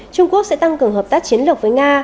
trung quốc sẽ tăng cường hợp tác chiến lược với nga